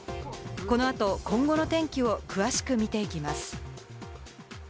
このあと今後の天気を詳しく見ていきます。